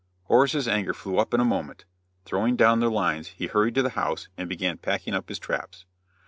Horace's anger flew up in a moment; throwing down the lines he hurried to the house, and began packing up his traps.